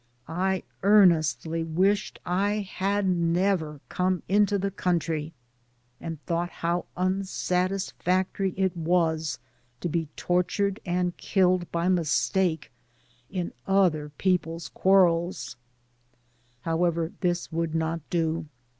I earnestly wished I had never come into the Digitized byGoogk 96 THE PAMPAS. country, and thought how unsatisfactory it was to be tortured and killed by mistake in other people'^s quarrels — ^however, this would not do.